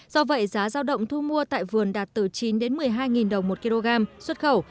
do vậy giá giao động thu mua tại vườn đạt từ chín một mươi hai đồng một kg xuất khẩu